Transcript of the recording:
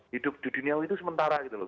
hidup di duniawi itu sementara gitu loh